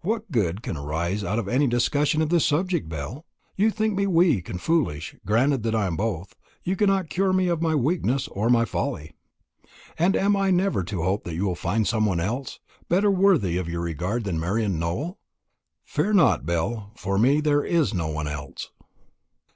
"What good can arise out of any discussion of this subject, Belle? You think me weak and foolish; granted that I am both, you cannot cure me of my weakness or my folly." "And am I never to hope that you will find some one else, better worthy of your regard than Marian Nowell?" "I fear not, Belle. For me there is no one else."